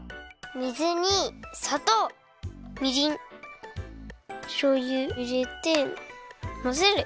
水にさとうみりんしょうゆをいれてまぜる！